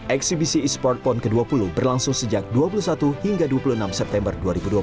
eksibisi e sport pon ke dua puluh berlangsung sejak dua puluh satu hingga dua puluh enam september dua ribu dua puluh